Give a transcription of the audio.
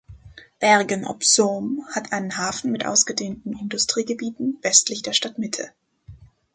Bergen op Zoom hat einen Hafen mit ausgedehnten Industriegebieten westlich der Stadtmitte.